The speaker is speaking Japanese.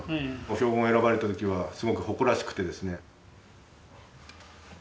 標語が選ばれた時はすごく誇らしくてですね。